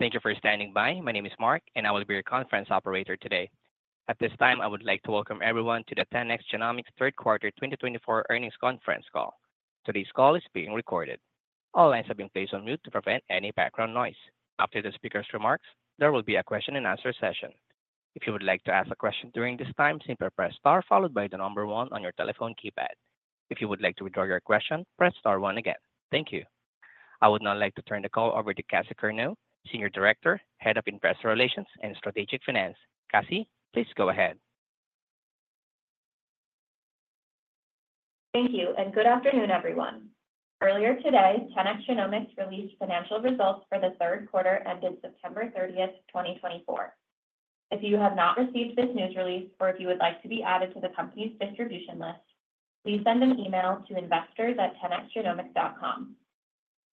Thank you for standing by. My name is Mark, and I will be your conference operator today. At this time, I would like to welcome everyone to the 10x Genomics Third Quarter 2024 earnings conference call. Today's call is being recorded. All lines have been placed on mute to prevent any background noise. After the speaker's remarks, there will be a question-and-answer session. If you would like to ask a question during this time, simply press star followed by the number one on your telephone keypad. If you would like to withdraw your question, press star one again. Thank you. I would now like to turn the call over to Cassie Corneau, Senior Director, Head of Investor Relations and Strategic Finance. Cassie, please go ahead. Thank you, and good afternoon, everyone. Earlier today, 10x Genomics released financial results for the third quarter ended September 30th, 2024. If you have not received this news release or if you would like to be added to the company's distribution list, please send an email to investors@10xgenomics.com.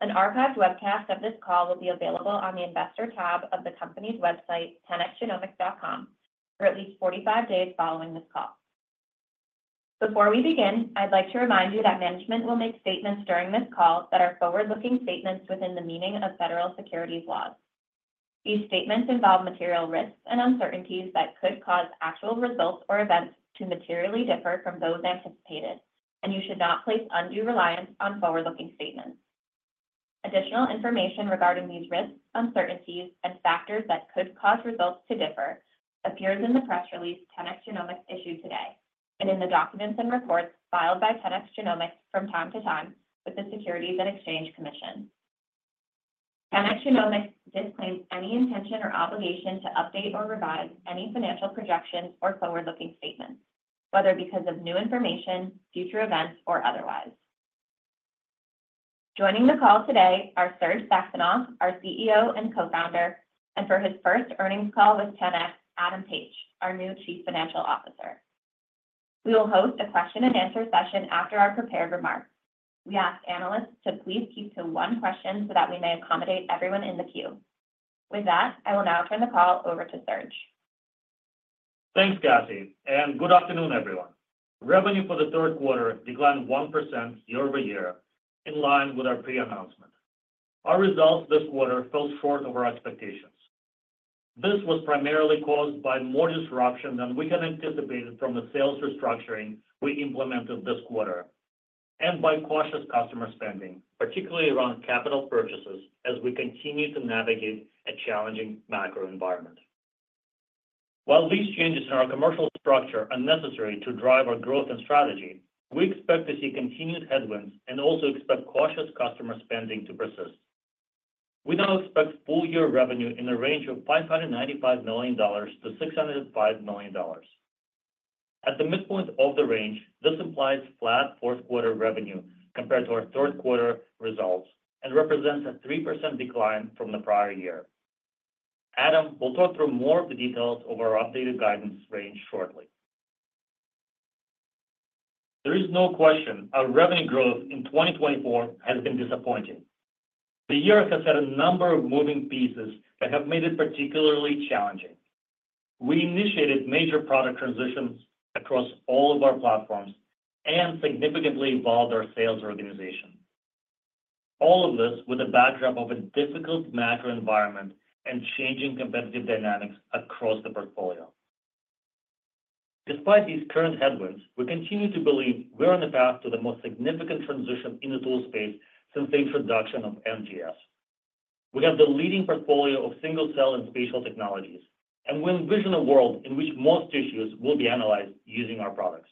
An archived webcast of this call will be available on the Investor tab of the company's website, 10xgenomics.com, for at least 45 days following this call. Before we begin, I'd like to remind you that management will make statements during this call that are forward-looking statements within the meaning of federal securities laws. These statements involve material risks and uncertainties that could cause actual results or events to materially differ from those anticipated, and you should not place undue reliance on forward-looking statements. Additional information regarding these risks, uncertainties, and factors that could cause results to differ appears in the press release 10x Genomics issued today and in the documents and reports filed by 10x Genomics from time to time with the Securities and Exchange Commission. 10x Genomics disclaims any intention or obligation to update or revise any financial projections or forward-looking statements, whether because of new information, future events, or otherwise. Joining the call today are Serge Saxonov, our CEO and co-founder, and for his first earnings call with 10x, Adam Taich, our new Chief Financial Officer. We will host a question-and-answer session after our prepared remarks. We ask analysts to please keep to one question so that we may accommodate everyone in the queue. With that, I will now turn the call over to Serge. Thanks, Cassie, and good afternoon, everyone. Revenue for the third quarter declined 1% year-over-year, in line with our pre-announcement. Our results this quarter fell short of our expectations. This was primarily caused by more disruption than we had anticipated from the sales restructuring we implemented this quarter and by cautious customer spending, particularly around capital purchases, as we continue to navigate a challenging macro environment. While these changes in our commercial structure are necessary to drive our growth and strategy, we expect to see continued headwinds and also expect cautious customer spending to persist. We now expect full-year revenue in the range of $595 million-$605 million. At the midpoint of the range, this implies flat fourth-quarter revenue compared to our third-quarter results and represents a 3% decline from the prior year. Adam will talk through more of the details of our updated guidance range shortly. There is no question our revenue growth in 2024 has been disappointing. The year has had a number of moving pieces that have made it particularly challenging. We initiated major product transitions across all of our platforms and significantly evolved our sales organization. All of this with the backdrop of a difficult macro environment and changing competitive dynamics across the portfolio. Despite these current headwinds, we continue to believe we are on the path to the most significant transition in the tool space since the introduction of NGS. We have the leading portfolio of single cell and spatial technologies, and we envision a world in which most issues will be analyzed using our products.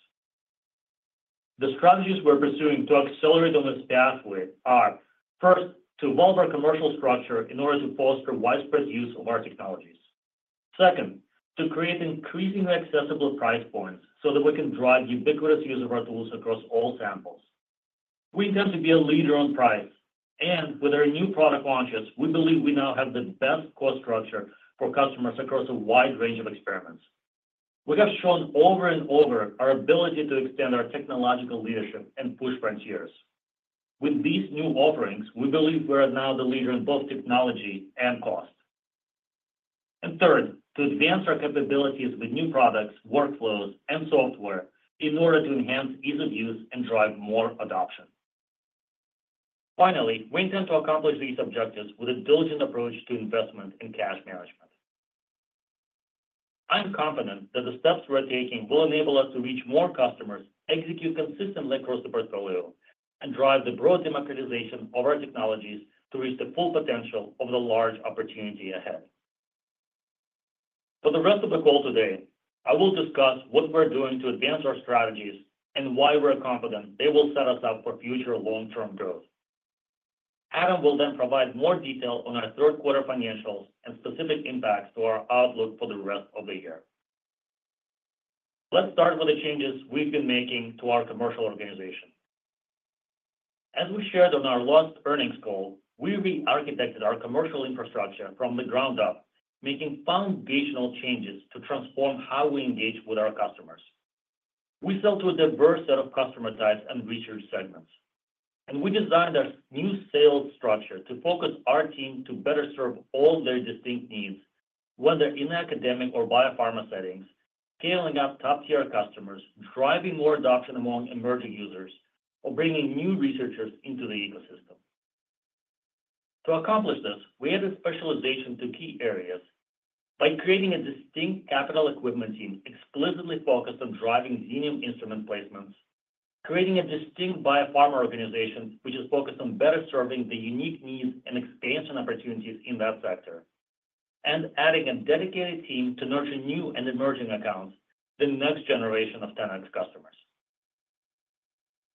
The strategies we're pursuing to accelerate on this pathway are, first, to evolve our commercial structure in order to foster widespread use of our technologies. Second, to create increasingly accessible price points so that we can drive ubiquitous use of our tools across all samples. We intend to be a leader on price, and with our new product launches, we believe we now have the best cost structure for customers across a wide range of experiments. We have shown over and over our ability to extend our technological leadership and push frontiers. With these new offerings, we believe we are now the leader in both technology and cost. And third, to advance our capabilities with new products, workflows, and software in order to enhance ease of use and drive more adoption. Finally, we intend to accomplish these objectives with a diligent approach to investment and cash management. I'm confident that the steps we're taking will enable us to reach more customers, execute consistently across the portfolio, and drive the broad democratization of our technologies to reach the full potential of the large opportunity ahead. For the rest of the call today, I will discuss what we're doing to advance our strategies and why we're confident they will set us up for future long-term growth. Adam will then provide more detail on our third-quarter financials and specific impacts to our outlook for the rest of the year. Let's start with the changes we've been making to our commercial organization. As we shared on our last earnings call, we re-architected our commercial infrastructure from the ground up, making foundational changes to transform how we engage with our customers. We sell to a diverse set of customer types and research segments, and we designed our new sales structure to focus our team to better serve all their distinct needs, whether in academic or biopharma settings, scaling up top-tier customers, driving more adoption among emerging users, or bringing new researchers into the ecosystem. To accomplish this, we added specialization to key areas by creating a distinct capital equipment team explicitly focused on driving genomic instrument placements, creating a distinct biopharma organization which is focused on better serving the unique needs and expansion opportunities in that sector, and adding a dedicated team to nurture new and emerging accounts, the next generation of 10x customers.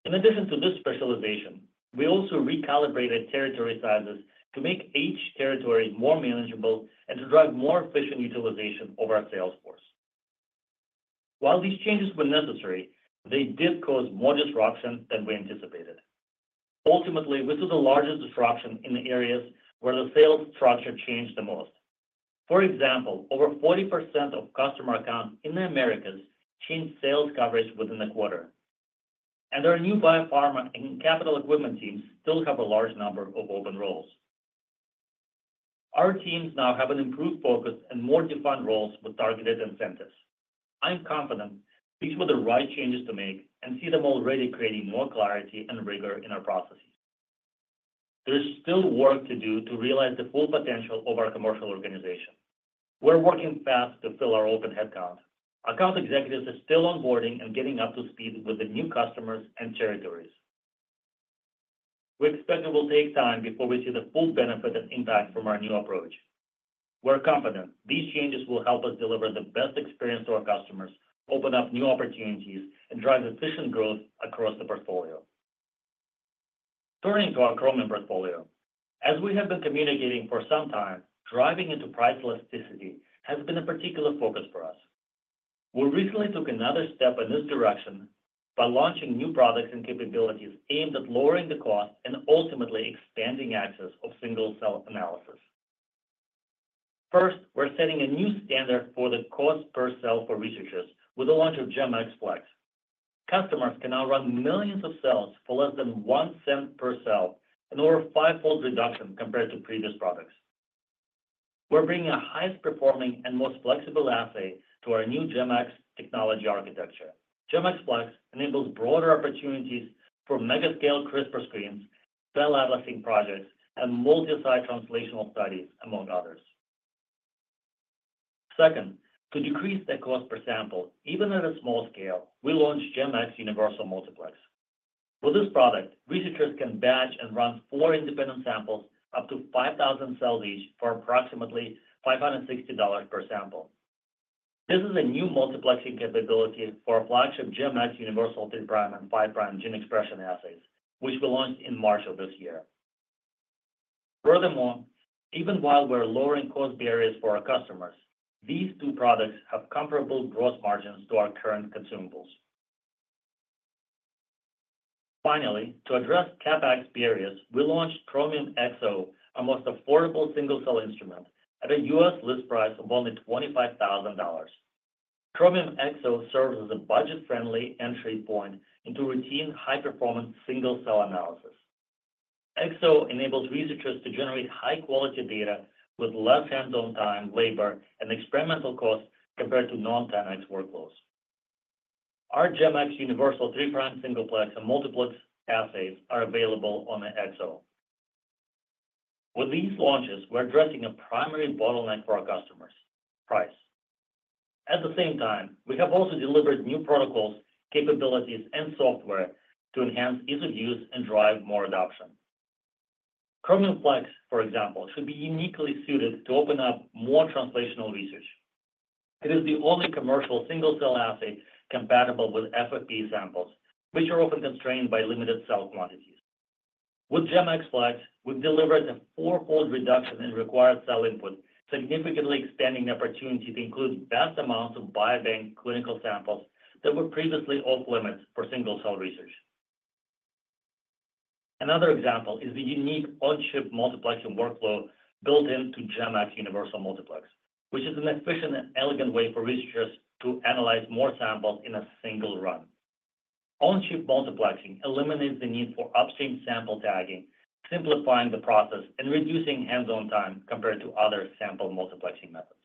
In addition to this specialization, we also recalibrated territory sizes to make each territory more manageable and to drive more efficient utilization of our sales force. While these changes were necessary, they did cause more disruption than we anticipated. Ultimately, this is the largest disruption in the areas where the sales structure changed the most. For example, over 40% of customer accounts in the Americas changed sales coverage within the quarter, and our new biopharma and capital equipment teams still have a large number of open roles. Our teams now have an improved focus and more defined roles with targeted incentives. I'm confident these were the right changes to make and see them already creating more clarity and rigor in our processes. There's still work to do to realize the full potential of our commercial organization. We're working fast to fill our open headcount. Account executives are still onboarding and getting up to speed with the new customers and territories. We expect it will take time before we see the full benefit and impact from our new approach. We're confident these changes will help us deliver the best experience to our customers, open up new opportunities, and drive efficient growth across the portfolio. Turning to our Chromium portfolio, as we have been communicating for some time, driving into price elasticity has been a particular focus for us. We recently took another step in this direction by launching new products and capabilities aimed at lowering the cost and ultimately expanding access of single cell analysis. First, we're setting a new standard for the cost per cell for researchers with the launch of GEM-X Flex. Customers can now run millions of cells for less than $0.01 per cell and over five-fold reduction compared to previous products. We're bringing a highest-performing and most flexible assay to our new GEM-X technology architecture. GEM-X Flex enables broader opportunities for mega-scale CRISPR screens, cell atlasing projects, and multi-site translational studies, among others. Second, to decrease the cost per sample, even at a small scale, we launched GEM-X Universal Multiplex. With this product, researchers can batch and run four independent samples, up to 5,000 cells each for approximately $560 per sample. This is a new multiplexing capability for our flagship GEM-X Universal 3' and 5' gene expression assays, which we launched in March of this year. Furthermore, even while we're lowering cost barriers for our customers, these two products have comparable gross margins to our current consumables. Finally, to address CapEx barriers, we launched Chromium Xo, our most affordable single cell instrument, at a U.S. list price of only $25,000. Chromium Xo serves as a budget-friendly entry point into routine high-performance single cell analysis. XO enables researchers to generate high-quality data with less hands-on time, labor, and experimental costs compared to non-10x workloads. Our GEM-X Universal 3' singleplex and multiplex assays are available on the Xo. With these launches, we're addressing a primary bottleneck for our customers, price. At the same time, we have also delivered new protocols, capabilities, and software to enhance ease of use and drive more adoption. Chromium Flex, for example, should be uniquely suited to open up more translational research. It is the only commercial single cell assay compatible with FFPE samples, which are often constrained by limited cell quantities. With GEM-X Flex, we've delivered a four-fold reduction in required cell input, significantly expanding the opportunity to include vast amounts of biobank clinical samples that were previously off-limits for single cell research. Another example is the unique on-chip multiplexing workflow built into GEM-X Universal Multiplex, which is an efficient and elegant way for researchers to analyze more samples in a single run. On-chip multiplexing eliminates the need for upstream sample tagging, simplifying the process and reducing hands-on time compared to other sample multiplexing methods.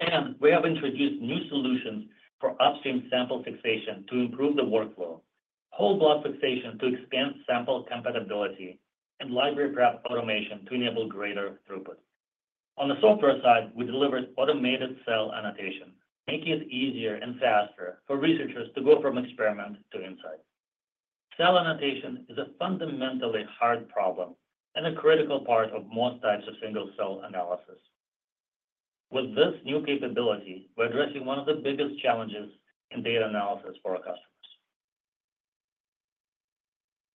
And we have introduced new solutions for upstream sample fixation to improve the workflow, whole-block fixation to expand sample compatibility, and library prep automation to enable greater throughput. On the software side, we delivered automated cell annotation, making it easier and faster for researchers to go from experiment to insight. Cell annotation is a fundamentally hard problem and a critical part of most types of single cell analysis. With this new capability, we're addressing one of the biggest challenges in data analysis for our customers.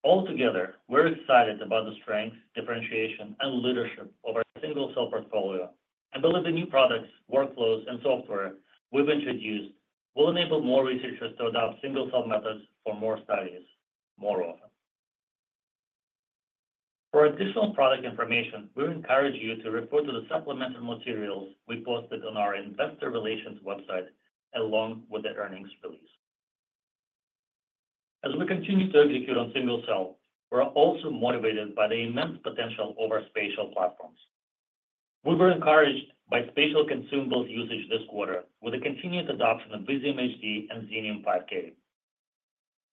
Altogether, we're excited about the strengths, differentiation, and leadership of our single cell portfolio and believe the new products, workflows, and software we've introduced will enable more researchers to adopt single cell methods for more studies more often. For additional product information, we encourage you to refer to the supplemental materials we posted on our investor relations website along with the earnings release. As we continue to execute on single cell, we're also motivated by the immense potential of our spatial platforms. We were encouraged by spatial consumables usage this quarter with the continued adoption of Visium HD and Xenium 5K.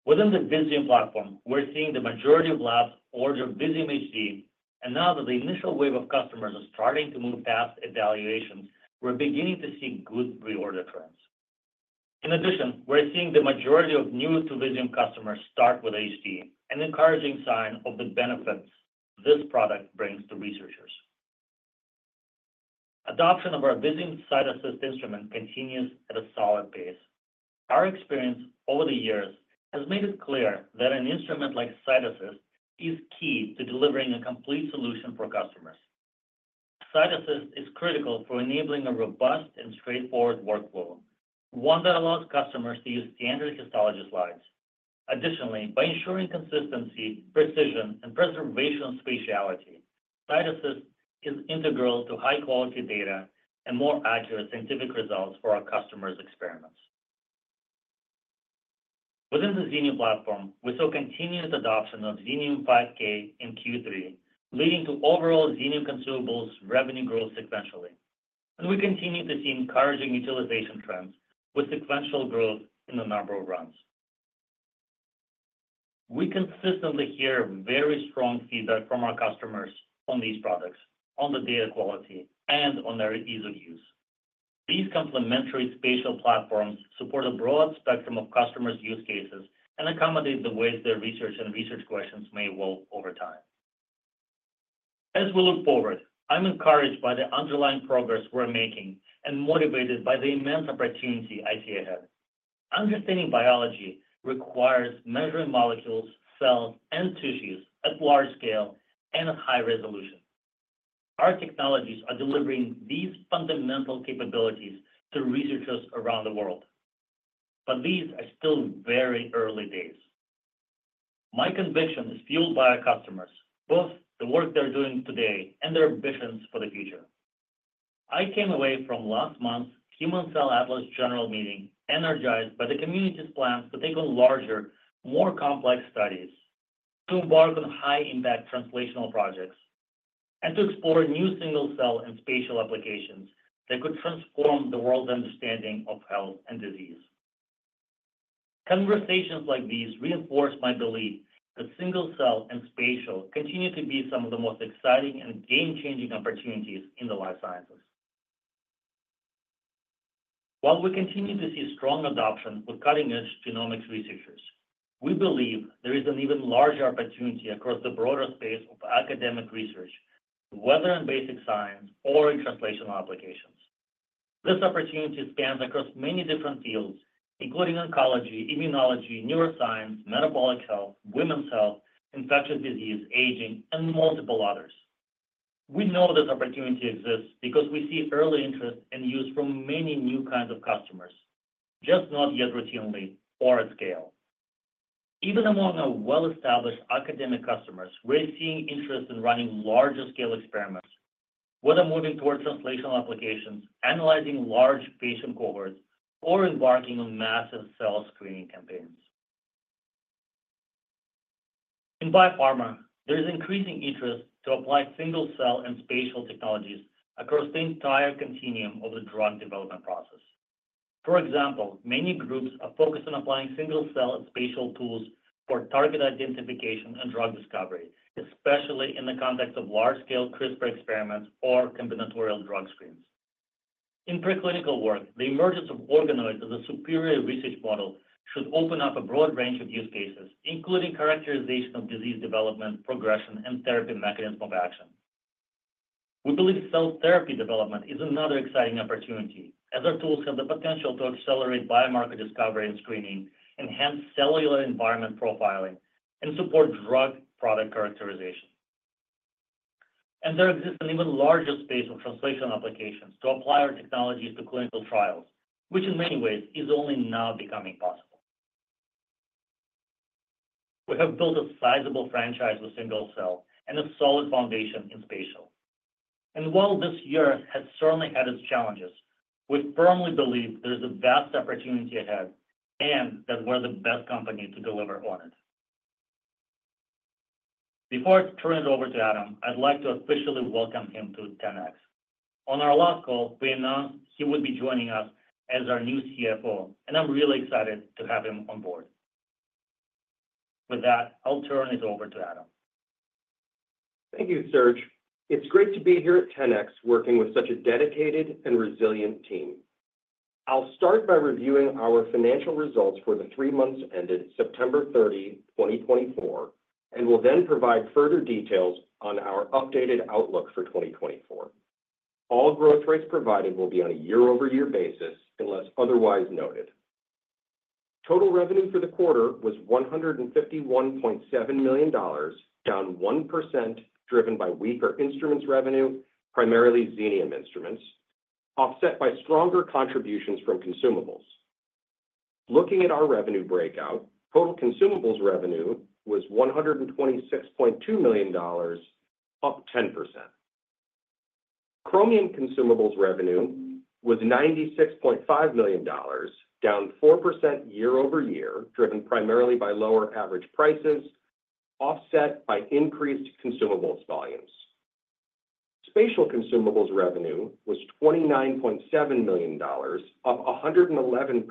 Within the Visium platform, we're seeing the majority of labs order Visium HD, and now that the initial wave of customers is starting to move past evaluations, we're beginning to see good reorder trends. In addition, we're seeing the majority of new-to-Visium customers start with HD, an encouraging sign of the benefits this product brings to researchers. Adoption of our Visium CytAssist instrument continues at a solid pace. Our experience over the years has made it clear that an instrument like CytAssist is key to delivering a complete solution for customers. CytAssist is critical for enabling a robust and straightforward workflow, one that allows customers to use standard histology slides. Additionally, by ensuring consistency, precision, and preservation of spatiality, CytAssist is integral to high-quality data and more accurate scientific results for our customers' experiments. Within the Xenium platform, we saw continued adoption of Xenium 5K in Q3, leading to overall Xenium consumables revenue growth sequentially. And we continue to see encouraging utilization trends with sequential growth in the number of runs. We consistently hear very strong feedback from our customers on these products, on the data quality, and on their ease of use. These complementary spatial platforms support a broad spectrum of customers' use cases and accommodate the ways their research and research questions may evolve over time. As we look forward, I'm encouraged by the underlying progress we're making and motivated by the immense opportunity I see ahead. Understanding biology requires measuring molecules, cells, and tissues at large scale and at high resolution. Our technologies are delivering these fundamental capabilities to researchers around the world, but these are still very early days. My conviction is fueled by our customers, both the work they're doing today and their ambitions for the future. I came away from last month's Human Cell Atlas General Meeting energized by the community's plans to take on larger, more complex studies, to embark on high-impact translational projects, and to explore new single cell and spatial applications that could transform the world's understanding of health and disease. Conversations like these reinforce my belief that single cell and spatial continue to be some of the most exciting and game-changing opportunities in the life sciences. While we continue to see strong adoption with cutting-edge genomics researchers, we believe there is an even larger opportunity across the broader space of academic research, whether in basic science or in translational applications. This opportunity spans across many different fields, including oncology, immunology, neuroscience, metabolic health, women's health, infectious disease, aging, and multiple others. We know this opportunity exists because we see early interest and use from many new kinds of customers, just not yet routinely or at scale. Even among our well-established academic customers, we're seeing interest in running larger-scale experiments, whether moving toward translational applications, analyzing large patient cohorts, or embarking on massive cell screening campaigns. In biopharma, there is increasing interest to apply single cell and spatial technologies across the entire continuum of the drug development process. For example, many groups are focused on applying single cell and spatial tools for target identification and drug discovery, especially in the context of large-scale CRISPR experiments or combinatorial drug screens. In preclinical work, the emergence of organoids as a superior research model should open up a broad range of use cases, including characterization of disease development, progression, and therapy mechanism of action. We believe cell therapy development is another exciting opportunity, as our tools have the potential to accelerate biomarker discovery and screening, enhance cellular environment profiling, and support drug product characterization, and there exists an even larger space for translational applications to apply our technologies to clinical trials, which in many ways is only now becoming possible. We have built a sizable franchise with single cell and a solid foundation in spatial, and while this year has certainly had its challenges, we firmly believe there is a vast opportunity ahead and that we're the best company to deliver on it. Before I turn it over to Adam, I'd like to officially welcome him to 10x. On our last call, we announced he would be joining us as our new CFO, and I'm really excited to have him on board. With that, I'll turn it over to Adam. Thank you, Serge. It's great to be here at 10x working with such a dedicated and resilient team. I'll start by reviewing our financial results for the three months ended September 30, 2024, and will then provide further details on our updated outlook for 2024. All growth rates provided will be on a year-over-year basis unless otherwise noted. Total revenue for the quarter was $151.7 million, down 1%, driven by weaker instruments revenue, primarily Xenium instruments, offset by stronger contributions from consumables. Looking at our revenue breakout, total consumables revenue was $126.2 million, up 10%. Chromium consumables revenue was $96.5 million, down 4% year-over-year, driven primarily by lower average prices, offset by increased consumables volumes. Spatial consumables revenue was $29.7 million, up 111%,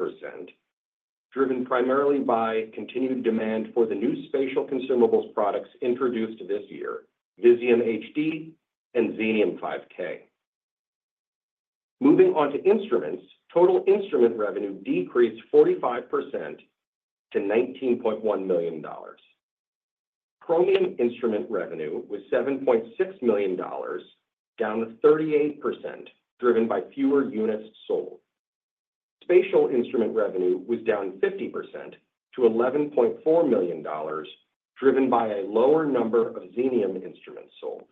driven primarily by continued demand for the new spatial consumables products introduced this year, Visium HD and Xenium 5K. Moving on to instruments, total instrument revenue decreased 45% to $19.1 million. Chromium instrument revenue was $7.6 million, down 38%, driven by fewer units sold. Spatial instrument revenue was down 50% to $11.4 million, driven by a lower number of Xenium instruments sold.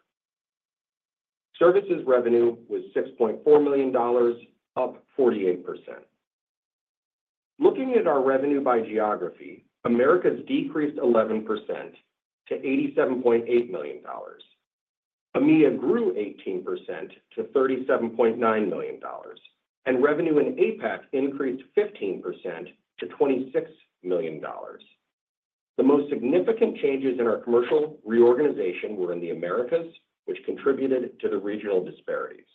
Services revenue was $6.4 million, up 48%. Looking at our revenue by geography, Americas decreased 11% to $87.8 million. EMEA grew 18% to $37.9 million, and revenue in APAC increased 15% to $26 million. The most significant changes in our commercial reorganization were in the Americas, which contributed to the regional disparities.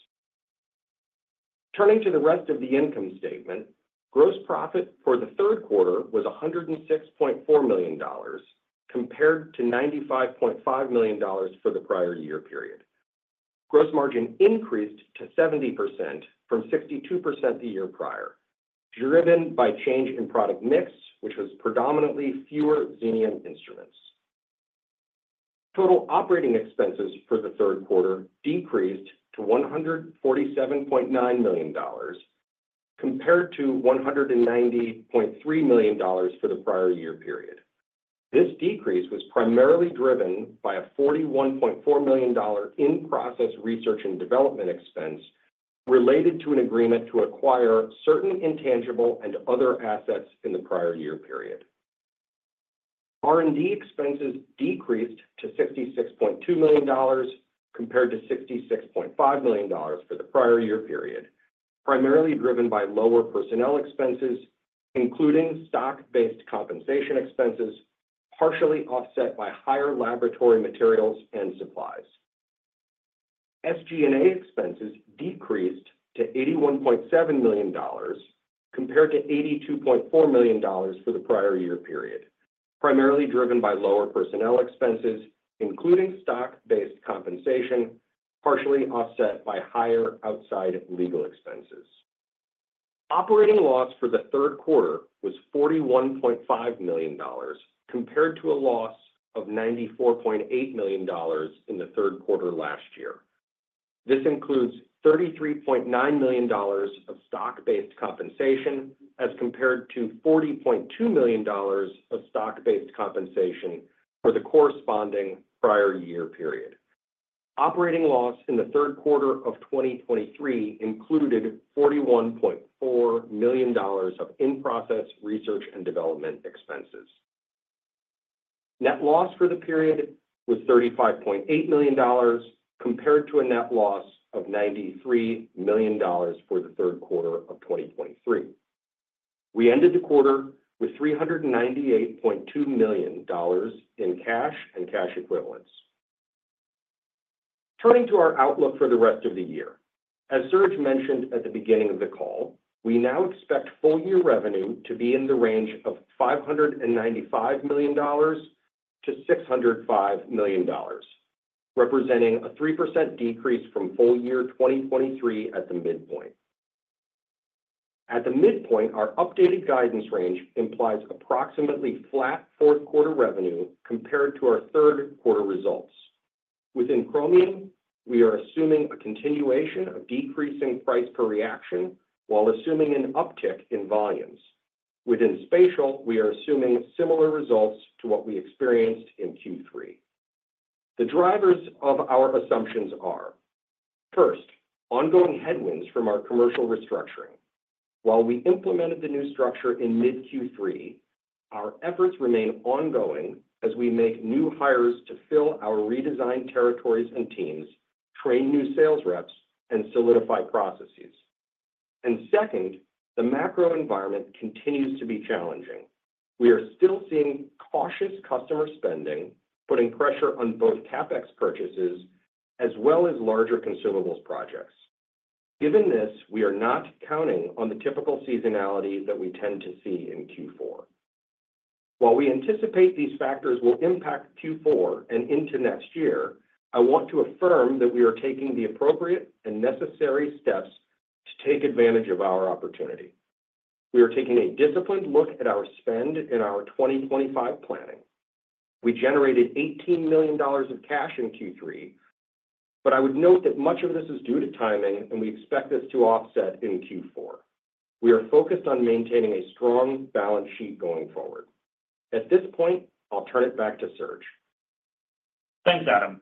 Turning to the rest of the income statement, gross profit for the third quarter was $106.4 million, compared to $95.5 million for the prior year period. Gross margin increased to 70% from 62% the year prior, driven by change in product mix, which was predominantly fewer Xenium instruments. Total operating expenses for the third quarter decreased to $147.9 million, compared to $190.3 million for the prior year period. This decrease was primarily driven by a $41.4 million In-Process Research and Development expense related to an agreement to acquire certain intangible and other assets in the prior year period. R&D expenses decreased to $66.2 million, compared to $66.5 million for the prior year period, primarily driven by lower personnel expenses, including stock-based compensation expenses, partially offset by higher laboratory materials and supplies. SG&A expenses decreased to $81.7 million, compared to $82.4 million for the prior year period, primarily driven by lower personnel expenses, including stock-based compensation, partially offset by higher outside legal expenses. Operating loss for the third quarter was $41.5 million, compared to a loss of $94.8 million in the third quarter last year. This includes $33.9 million of stock-based compensation, as compared to $40.2 million of stock-based compensation for the corresponding prior year period. Operating loss in the third quarter of 2023 included $41.4 million of In-Process Research and Development expenses. Net loss for the period was $35.8 million, compared to a net loss of $93 million for the third quarter of 2023. We ended the quarter with $398.2 million in cash and cash equivalents. Turning to our outlook for the rest of the year, as Serge mentioned at the beginning of the call, we now expect full-year revenue to be in the range of $595 million to $605 million, representing a 3% decrease from full-year 2023 at the midpoint. At the midpoint, our updated guidance range implies approximately flat fourth-quarter revenue compared to our third-quarter results. Within Chromium, we are assuming a continuation of decreasing price per reaction while assuming an uptick in volumes. Within Spatial, we are assuming similar results to what we experienced in Q3. The drivers of our assumptions are, first, ongoing headwinds from our commercial restructuring. While we implemented the new structure in mid-Q3, our efforts remain ongoing as we make new hires to fill our redesigned territories and teams, train new sales reps, and solidify processes. And second, the macro environment continues to be challenging. We are still seeing cautious customer spending, putting pressure on both CapEx purchases as well as larger consumables projects. Given this, we are not counting on the typical seasonality that we tend to see in Q4. While we anticipate these factors will impact Q4 and into next year, I want to affirm that we are taking the appropriate and necessary steps to take advantage of our opportunity. We are taking a disciplined look at our spend in our 2025 planning. We generated $18 million of cash in Q3, but I would note that much of this is due to timing, and we expect this to offset in Q4. We are focused on maintaining a strong balance sheet going forward. At this point, I'll turn it back to Serge. Thanks, Adam.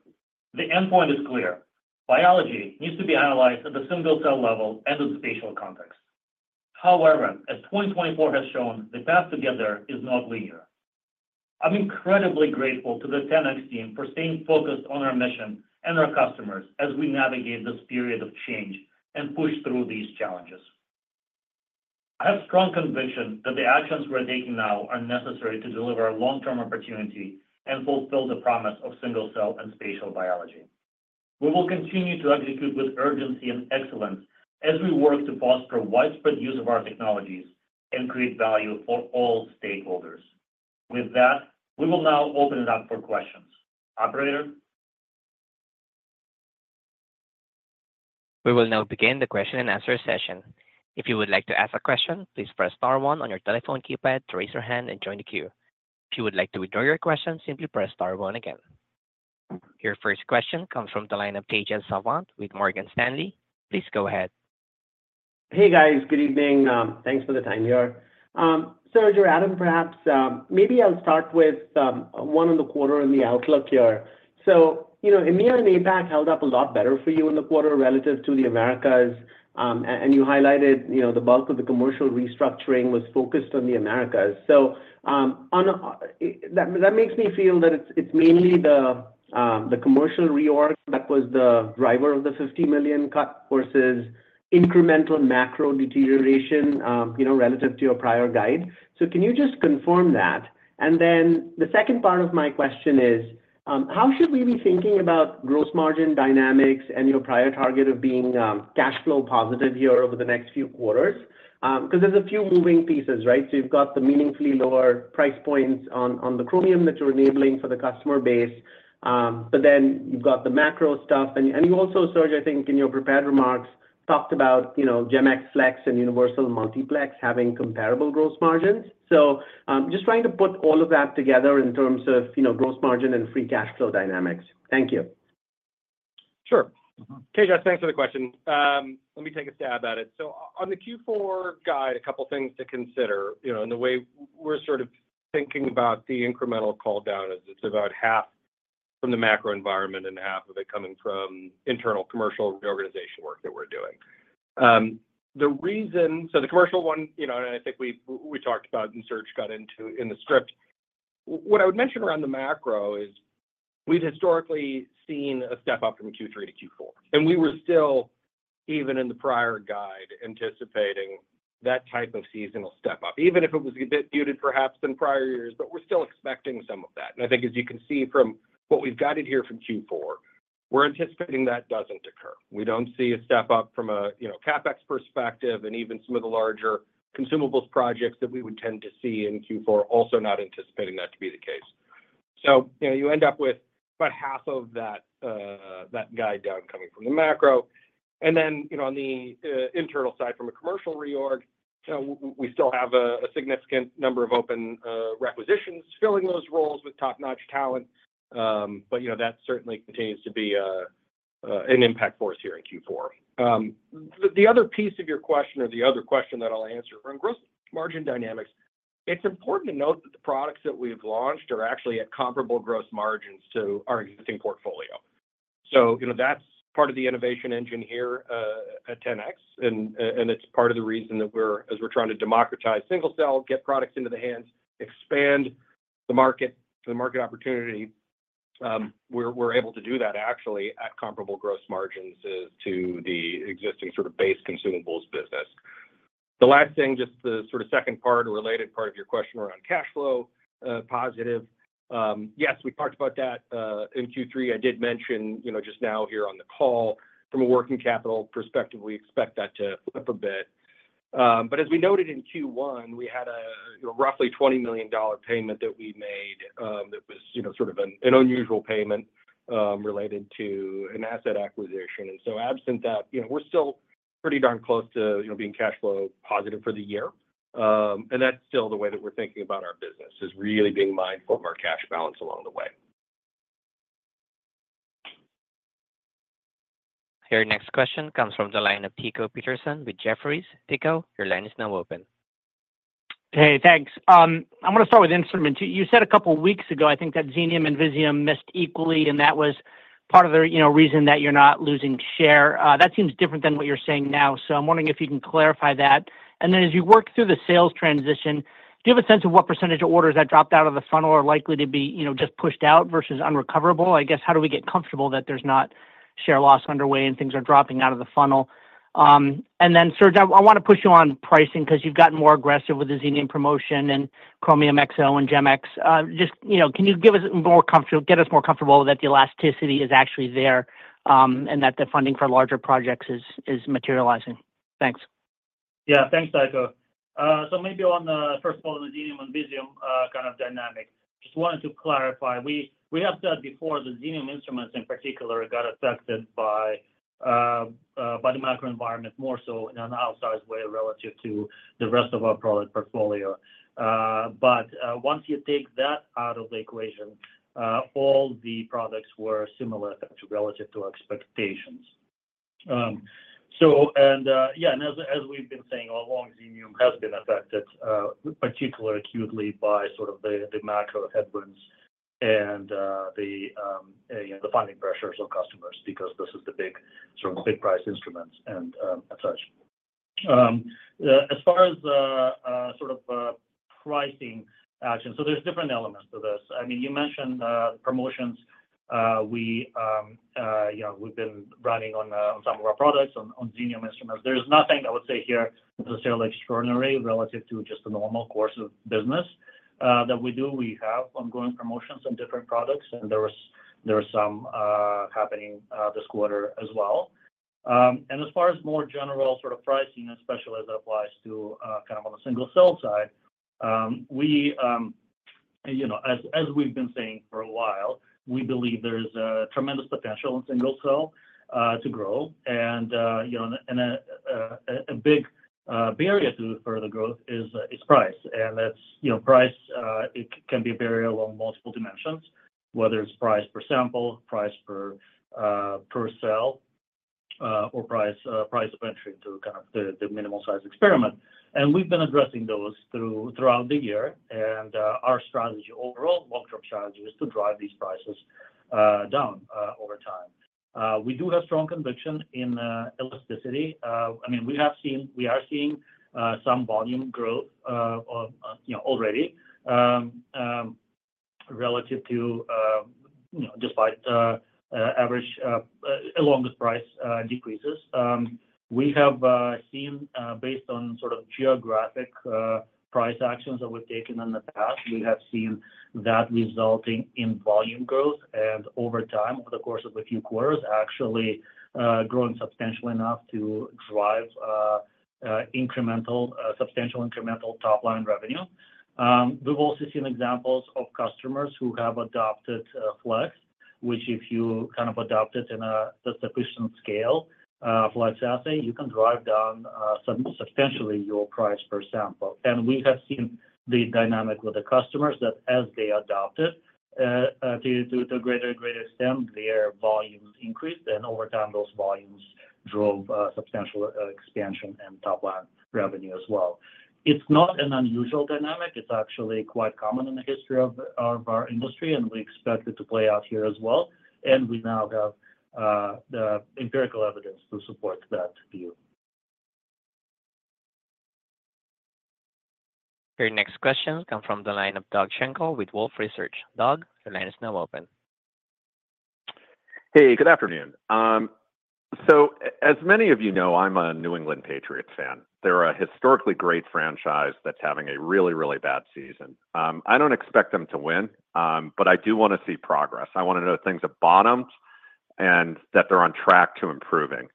The endpoint is clear. Biology needs to be analyzed at the single cell level and in spatial context. However, as 2024 has shown, the path together is not linear. I'm incredibly grateful to the 10x team for staying focused on our mission and our customers as we navigate this period of change and push through these challenges. I have strong conviction that the actions we're taking now are necessary to deliver a long-term opportunity and fulfill the promise of single cell and spatial biology. We will continue to execute with urgency and excellence as we work to foster widespread use of our technologies and create value for all stakeholders. With that, we will now open it up for questions. Operator? We will now begin the question and answer session. If you would like to ask a question, please press star one on your telephone keypad to raise your hand and join the queue. If you would like to withdraw your question, simply press star one again. Your first question comes from the line of Tejas Savant with Morgan Stanley. Please go ahead. Hey, guys. Good evening. Thanks for the time here. Serge or Adam, perhaps, maybe I'll start with one on the quarter and the outlook here. So EMEA and APAC held up a lot better for you in the quarter relative to the Americas, and you highlighted the bulk of the commercial restructuring was focused on the Americas. So that makes me feel that it's mainly the commercial reorg that was the driver of the $50 million cut versus incremental macro deterioration relative to your prior guide. So can you just confirm that? And then the second part of my question is, how should we be thinking about gross margin dynamics and your prior target of being cash flow positive here over the next few quarters? Because there's a few moving pieces, right? So you've got the meaningfully lower price points on the Chromium that you're enabling for the customer base, but then you've got the macro stuff. And you also, Serge, I think in your prepared remarks, talked about GEM-X Flex and Universal Multiplex having comparable gross margins. So just trying to put all of that together in terms of gross margin and free cash flow dynamics. Thank you. Sure. Teja, thanks for the question. Let me take a stab at it. So on the Q4 guide, a couple of things to consider. And the way we're sort of thinking about the incremental call down is it's about half from the macro environment and half of it coming from internal commercial reorganization work that we're doing. So the commercial one, and I think we talked about and Serge got into in the script, what I would mention around the macro is we've historically seen a step up from Q3 to Q4. And we were still, even in the prior guide, anticipating that type of seasonal step up, even if it was a bit muted perhaps in prior years, but we're still expecting some of that. And I think, as you can see from what we've guided here from Q4, we're anticipating that doesn't occur. We don't see a step up from a CapEx perspective and even some of the larger consumables projects that we would tend to see in Q4, also not anticipating that to be the case. So you end up with about half of that guide down coming from the macro. And then on the internal side from a commercial reorg, we still have a significant number of open requisitions filling those roles with top-notch talent, but that certainly continues to be an impact for us here in Q4. The other piece of your question, or the other question that I'll answer around gross margin dynamics. It's important to note that the products that we've launched are actually at comparable gross margins to our existing portfolio. So that's part of the innovation engine here at 10x, and it's part of the reason that as we're trying to democratize single cell, get products into the hands, expand the market for the market opportunity. We're able to do that actually at comparable gross margins to the existing sort of base consumables business. The last thing, just the sort of second part or related part of your question around cash flow positive. Yes, we talked about that in Q3. I did mention just now here on the call, from a working capital perspective, we expect that to flip a bit. But as we noted in Q1, we had a roughly $20 million payment that we made that was sort of an unusual payment related to an asset acquisition. And so absent that, we're still pretty darn close to being cash flow positive for the year. And that's still the way that we're thinking about our business, is really being mindful of our cash balance along the way. Your next question comes from the line of Tycho Peterson with Jefferies. Tycho, your line is now open. Hey, thanks. I'm going to start with instruments. You said a couple of weeks ago, I think that Xenium and Visium missed equally, and that was part of the reason that you're not losing share. That seems different than what you're saying now, so I'm wondering if you can clarify that. And then as you work through the sales transition, do you have a sense of what percentage of orders that dropped out of the funnel are likely to be just pushed out versus unrecoverable? I guess, how do we get comfortable that there's not share loss underway and things are dropping out of the funnel? And then, Serge, I want to push you on pricing because you've gotten more aggressive with the Xenium promotion and Chromium Xo and GEM-X. Just can you get us more comfortable that the elasticity is actually there and that the funding for larger projects is materializing? Thanks. Yeah, thanks, Tycho. So maybe on the, first of all, the Xenium and Visium kind of dynamic, just wanted to clarify. We have said before the Xenium instruments in particular got affected by the macro environment more so in an outsized way relative to the rest of our product portfolio. But once you take that out of the equation, all the products were similar relative to expectations. And yeah, and as we've been saying all along, Xenium has been affected particularly acutely by sort of the macro headwinds and the funding pressures of customers because this is the big sort of big price instruments and such. As far as sort of pricing action, so there's different elements to this. I mean, you mentioned promotions. We've been running on some of our products on Xenium instruments. There is nothing I would say here that's necessarily extraordinary relative to just the normal course of business that we do. We have ongoing promotions on different products, and there are some happening this quarter as well, and as far as more general sort of pricing, especially as it applies to kind of on the single cell side, as we've been saying for a while, we believe there is tremendous potential in single cell to grow, and a big barrier to further growth is price, and price can be a barrier along multiple dimensions, whether it's price per sample, price per cell, or price of entry to kind of the minimal size experiment, and we've been addressing those throughout the year, and our strategy overall, long-term strategy, is to drive these prices down over time. We do have strong conviction in elasticity. I mean, we are seeing some volume growth already relative to despite average along with price decreases. We have seen, based on sort of geographic price actions that we've taken in the past, we have seen that resulting in volume growth, and over time, over the course of a few quarters, actually growing substantially enough to drive substantial incremental top-line revenue. We've also seen examples of customers who have adopted Flex, which if you kind of adopt it in a sufficient scale, Flex assay, you can drive down substantially your price per sample, and we have seen the dynamic with the customers that as they adopt it to a greater and greater extent, their volumes increased, and over time, those volumes drove substantial expansion and top-line revenue as well. It's not an unusual dynamic. It's actually quite common in the history of our industry, and we expect it to play out here as well, and we now have empirical evidence to support that view. Your next question comes from the line of Doug Schenkel with Wolfe Research. Doug, the line is now open. Hey, good afternoon. So as many of you know, I'm a New England Patriots fan. They're a historically great franchise that's having a really, really bad season. I don't expect them to win, but I do want to see progress. I want to know things have bottomed and that they're on track to improving.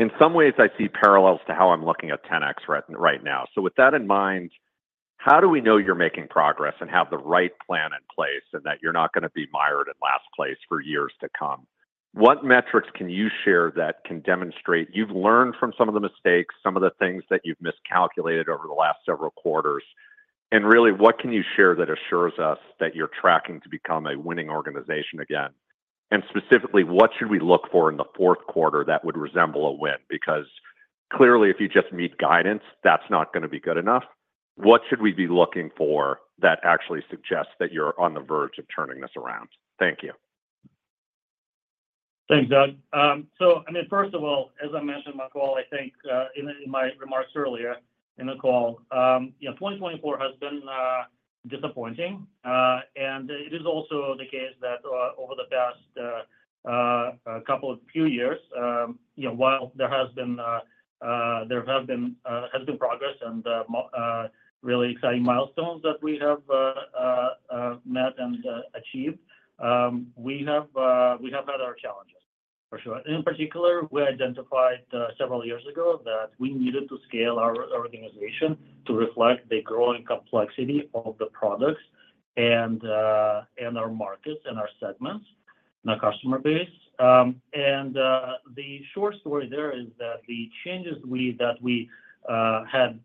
In some ways, I see parallels to how I'm looking at 10X right now. So with that in mind, how do we know you're making progress and have the right plan in place and that you're not going to be mired in last place for years to come? What metrics can you share that can demonstrate you've learned from some of the mistakes, some of the things that you've miscalculated over the last several quarters? Really, what can you share that assures us that you're tracking to become a winning organization again? And specifically, what should we look for in the fourth quarter that would resemble a win? Because clearly, if you just meet guidance, that's not going to be good enough. What should we be looking for that actually suggests that you're on the verge of turning this around? Thank you. Thanks, Doug. I mean, first of all, as I mentioned in my remarks earlier in the call, 2024 has been disappointing, and it is also the case that over the past couple of few years, while there has been progress and really exciting milestones that we have met and achieved, we have had our challenges for sure. In particular, we identified several years ago that we needed to scale our organization to reflect the growing complexity of the products and our markets and our segments and our customer base. And the short story there is that the changes that we had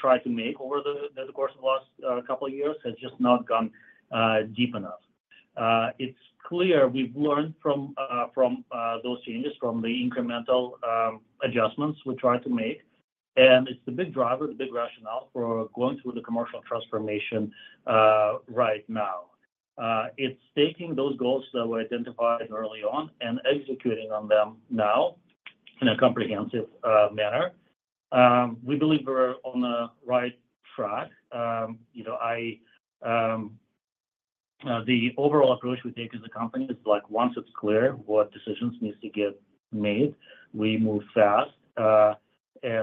tried to make over the course of the last couple of years have just not gone deep enough. It's clear we've learned from those changes, from the incremental adjustments we tried to make. And it's the big driver, the big rationale for going through the commercial transformation right now. It's taking those goals that were identified early on and executing on them now in a comprehensive manner. We believe we're on the right track. The overall approach we take as a company is once it's clear what decisions need to get made, we move fast. I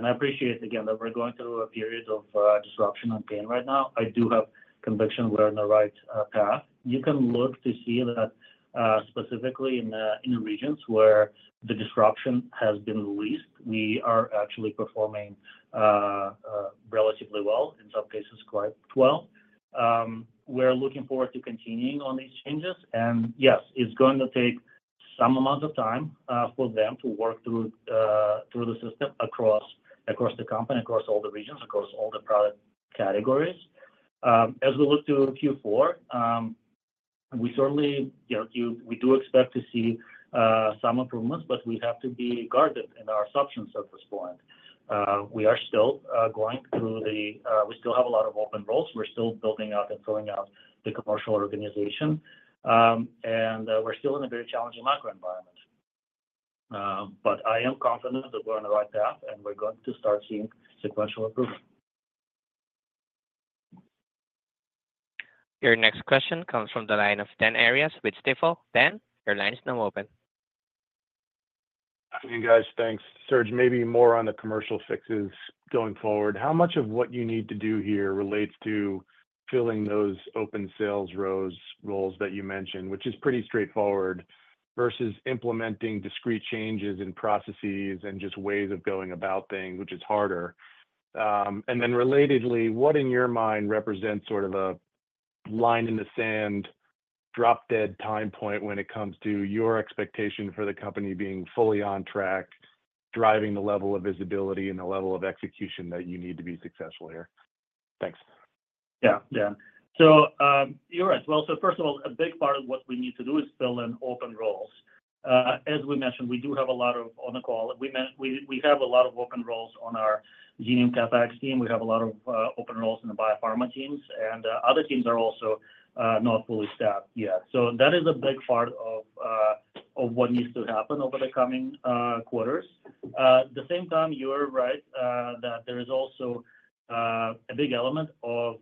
appreciate, again, that we're going through a period of disruption and pain right now. I do have conviction we're on the right path. You can look to see that specifically in regions where the disruption has been least, we are actually performing relatively well, in some cases quite well. We're looking forward to continuing on these changes. And yes, it's going to take some amount of time for them to work through the system across the company, across all the regions, across all the product categories. As we look to Q4, we certainly do expect to see some improvements, but we have to be guarded in our assumptions at this point. We are still going through. We still have a lot of open roles. We're still building out and filling out the commercial organization. And we're still in a very challenging macro environment. But I am confident that we're on the right path, and we're going to start seeing sequential improvement. Your next question comes from the line of Dan Arias with Stifel. Dan, your line is now open. Hey, guys, thanks. Serge, maybe more on the commercial fixes going forward. How much of what you need to do here relates to filling those open sales roles that you mentioned, which is pretty straightforward, versus implementing discrete changes in processes and just ways of going about things, which is harder? And then relatedly, what in your mind represents sort of a line in the sand, drop-dead time point when it comes to your expectation for the company being fully on track, driving the level of visibility and the level of execution that you need to be successful here? Thanks. Yeah, yeah. So you're right. Well, so first of all, a big part of what we need to do is fill in open roles. As we mentioned, we do have a lot of open roles on the call. We have a lot of open roles on our Xenium CapEx team. We have a lot of open roles in the biopharma teams. And other teams are also not fully staffed yet. So that is a big part of what needs to happen over the coming quarters. At the same time, you're right that there is also a big element of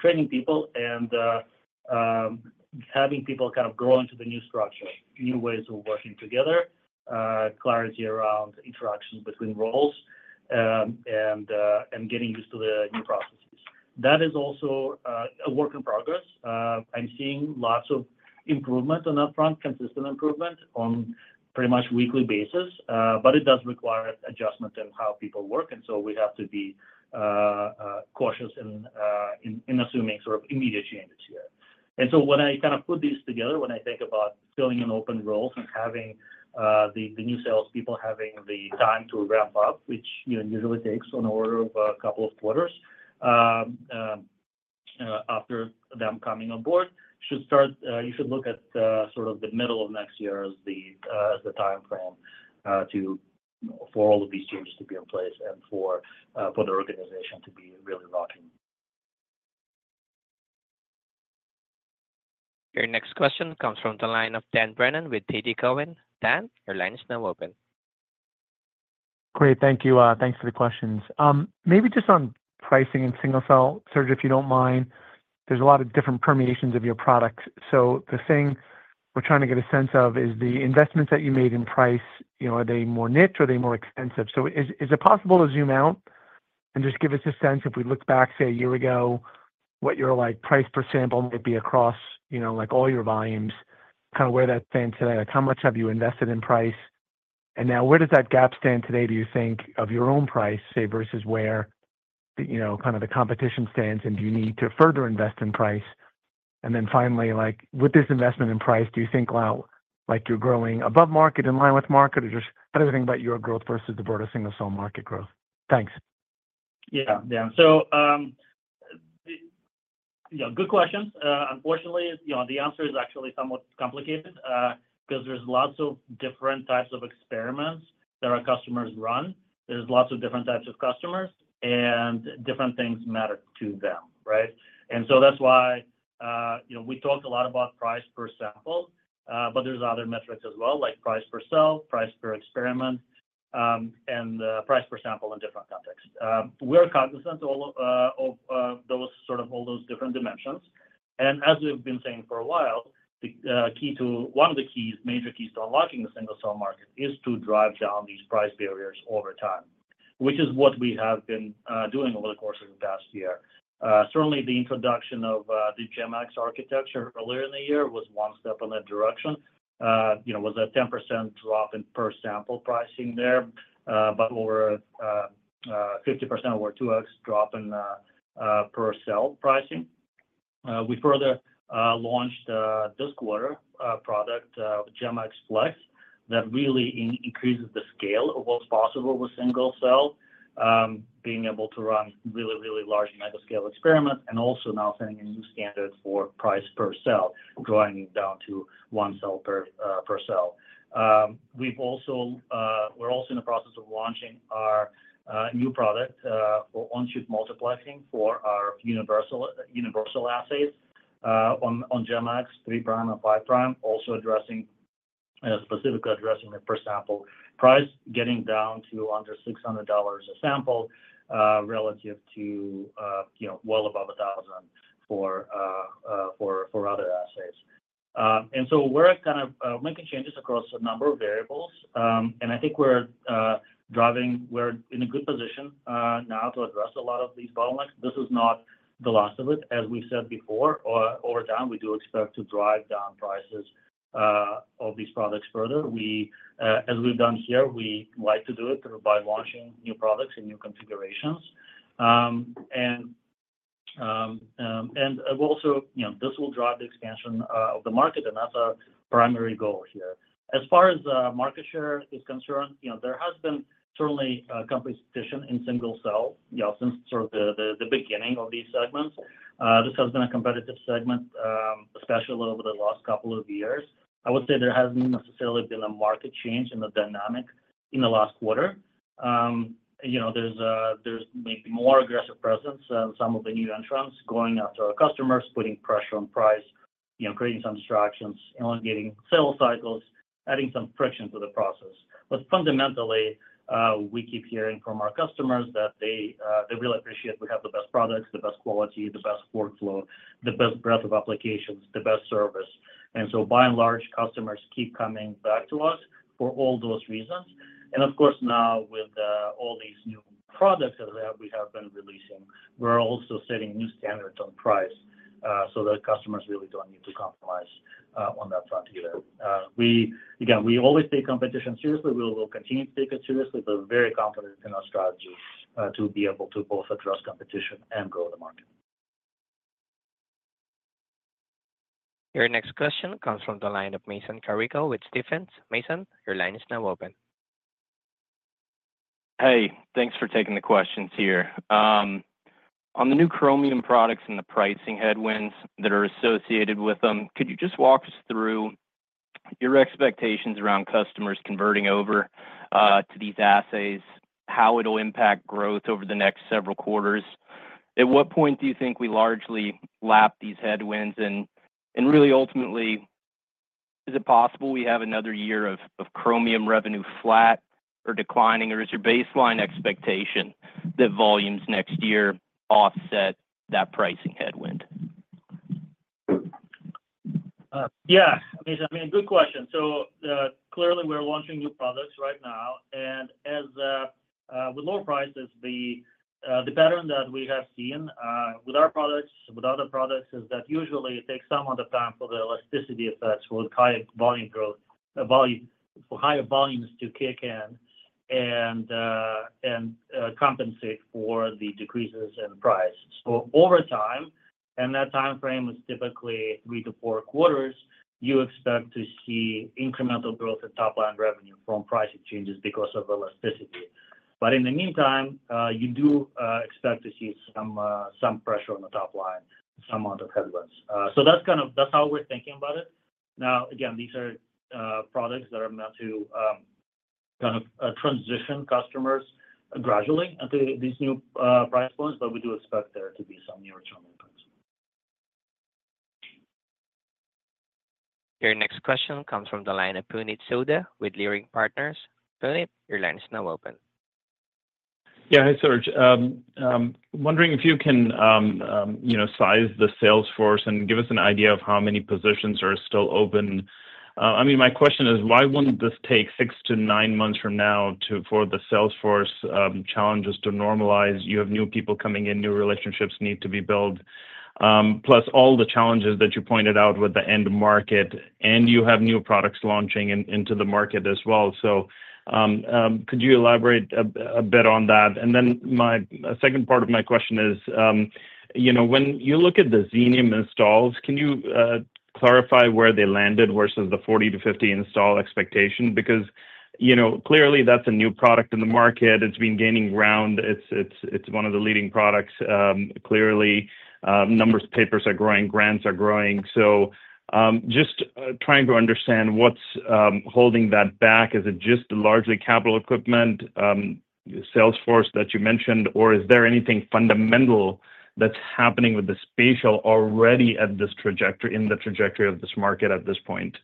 training people and having people kind of grow into the new structure, new ways of working together, clarity around interactions between roles, and getting used to the new processes. That is also a work in progress. I'm seeing lots of improvement on that front, consistent improvement on pretty much weekly basis, but it does require adjustment in how people work. And so we have to be cautious in assuming sort of immediate changes here. And so when I kind of put these together, when I think about filling in open roles and having the new salespeople having the time to ramp up, which usually takes on the order of a couple of quarters after them coming on board, you should look at sort of the middle of next year as the time frame for all of these changes to be in place and for the organization to be really rocking. Your next question comes from the line of Dan Brennan with TD Cowen. Dan, your line is now open. Great. Thank you. Thanks for the questions. Maybe just on pricing and single cell, Serge, if you don't mind, there's a lot of different permutations of your products. So the thing we're trying to get a sense of is the investments that you made in price. Are they more niche? Are they more expensive? So is it possible to zoom out and just give us a sense if we looked back, say, a year ago, what your price per sample might be across all your volumes, kind of where that stands today? How much have you invested in price? And now, where does that gap stand today, do you think, of your own price, say, versus where kind of the competition stands? And do you need to further invest in price? And then finally, with this investment in price, do you think, wow, you're growing above market, in line with market, or just how do you think about your growth versus the broader single cell market growth? Thanks. Yeah, yeah. So good questions. Unfortunately, the answer is actually somewhat complicated because there's lots of different types of experiments that our customers run. There's lots of different types of customers, and different things matter to them, right? And so that's why we talked a lot about price per sample, but there's other metrics as well, like price per cell, price per experiment, and price per sample in different contexts. We're cognizant of those sort of all those different dimensions. As we've been saying for a while, one of the major keys to unlocking the single cell market is to drive down these price barriers over time, which is what we have been doing over the course of the past year. Certainly, the introduction of the GEM-X architecture earlier in the year was one step in that direction, was a 10% drop in per sample pricing there, but over 50%, over 2X drop in per cell pricing. We further launched this quarter a product, GEM-X Flex, that really increases the scale of what's possible with single cell, being able to run really, really large macroscale experiments, and also now setting a new standard for price per cell, drawing it down to one cent per cell. We're also in the process of launching our new product for on-chip multiplexing for our universal assays on GEM-X, 3' and 5', also specifically addressing the per sample price, getting down to under $600 a sample relative to well above $1,000 for other assays. And so we're kind of making changes across a number of variables. And I think we're in a good position now to address a lot of these bottlenecks. This is not the last of it. As we said before, over time, we do expect to drive down prices of these products further. As we've done here, we like to do it by launching new products and new configurations. And also, this will drive the expansion of the market, and that's our primary goal here. As far as market share is concerned, there has been certainly competition in single cell since sort of the beginning of these segments. This has been a competitive segment, especially over the last couple of years. I would say there hasn't necessarily been a market change in the dynamic in the last quarter. There's maybe more aggressive presence than some of the new entrants going after our customers, putting pressure on price, creating some distractions, elongating sales cycles, adding some friction to the process. But fundamentally, we keep hearing from our customers that they really appreciate we have the best products, the best quality, the best workflow, the best breadth of applications, the best service. And so by and large, customers keep coming back to us for all those reasons. And of course, now with all these new products that we have been releasing, we're also setting new standards on price so that customers really don't need to compromise on that front either. Again, we always take competition seriously. We will continue to take it seriously. We're very confident in our strategy to be able to both address competition and grow the market. Your next question comes from the line of Mason Carrico with Stephens. Mason, your line is now open. Hey, thanks for taking the questions here. On the new Chromium products and the pricing headwinds that are associated with them, could you just walk us through your expectations around customers converting over to these assays, how it'll impact growth over the next several quarters? At what point do you think we largely lap these headwinds? And really, ultimately, is it possible we have another year of Chromium revenue flat or declining? Or is your baseline expectation that volumes next year offset that pricing headwind? Yeah. I mean, good question. So clearly, we're launching new products right now. And with lower prices, the pattern that we have seen with our products, with other products, is that usually it takes some of the time for the elasticity effects for higher volumes to kick in and compensate for the decreases in price. So over time, and that time frame is typically three to four quarters, you expect to see incremental growth in top-line revenue from pricing changes because of elasticity. But in the meantime, you do expect to see some pressure on the top line, some amount of headwinds. So that's how we're thinking about it. Now, again, these are products that are meant to kind of transition customers gradually into these new price points, but we do expect there to be some near-term impacts. Your next question comes from the line of Puneet Souda with Leerink Partners. Puneet, your line is now open. Yeah, hey, Serge. Wondering if you can size the sales force and give us an idea of how many positions are still open? I mean, my question is, why wouldn't this take six to nine months from now for the sales force challenges to normalize? You have new people coming in, new relationships need to be built, plus all the challenges that you pointed out with the end market, and you have new products launching into the market as well, so could you elaborate a bit on that? And then my second part of my question is, when you look at the Xenium installs, can you clarify where they landed versus the 40-50 install expectation? Because clearly, that's a new product in the market. It's been gaining ground. It's one of the leading products. Clearly, numbers, papers are growing, grants are growing, so just trying to understand what's holding that back. Is it just largely capital equipment sales force that you mentioned, or is there anything fundamental that's happening with the spatial already in the trajectory of this market at this point?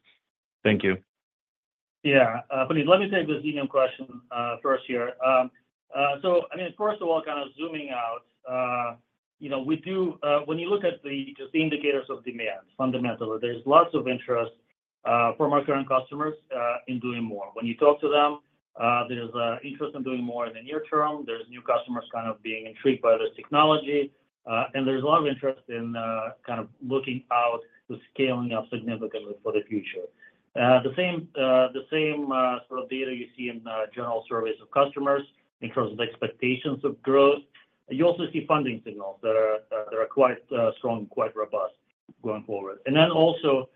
Thank you. Yeah. Puneet, let me take the Xenium question first here. So I mean, first of all, kind of zooming out, when you look at just the indicators of demand, fundamentally, there's lots of interest from our current customers in doing more. When you talk to them, there's interest in doing more in the near term. There's new customers kind of being intrigued by this technology. And there's a lot of interest in kind of looking out to scaling up significantly for the future. The same sort of data you see in general surveys of customers in terms of expectations of growth. You also see funding signals that are quite strong and quite robust going forward. And then also,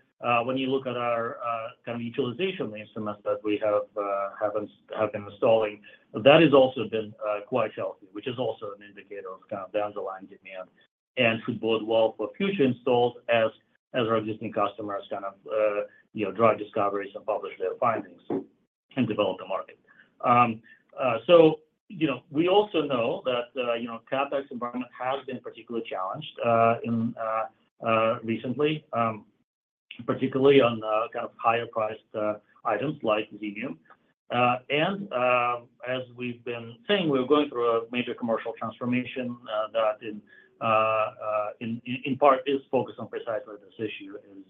when you look at our kind of utilization instruments that we have been installing, that has also been quite healthy, which is also an indicator of kind of the underlying demand and could bode well for future installs as our existing customers kind of drive discoveries and publish their findings and develop the market. So we also know that CapEx environment has been particularly challenged recently, particularly on kind of higher-priced items like Xenium. And as we've been saying, we're going through a major commercial transformation that, in part, is focused on precisely this issue, is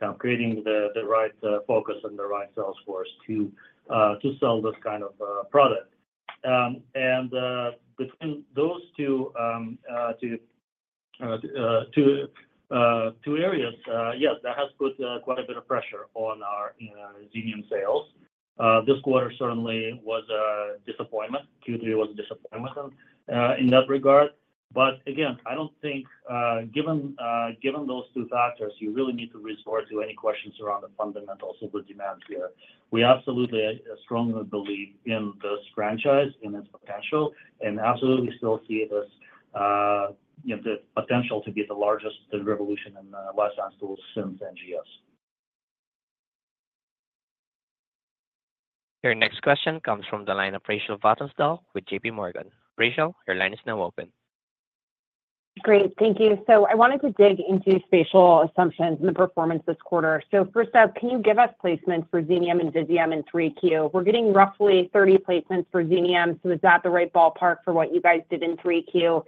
kind of creating the right focus and the right sales force to sell this kind of product. And between those two areas, yes, that has put quite a bit of pressure on our Xenium sales. This quarter certainly was a disappointment. Q3 was a disappointment in that regard. But again, I don't think, given those two factors, you really need to resort to any questions around the fundamentals of the demand here. We absolutely strongly believe in this franchise, in its potential, and absolutely still see the potential to be the largest revolution in life science tools since NGS. Your next question comes from the line of Rachel Vatnsdal with JPMorgan. Rachel, your line is now open. Great. Thank you. So I wanted to dig into spatial assumptions and the performance this quarter. So first up, can you give us placements for Xenium and Visium in 3Q? We're getting roughly 30 placements for Xenium. So is that the right ballpark for what you guys did in 3Q?